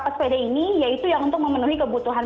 pesepeda ini yaitu yang untuk memenuhi kebutuhan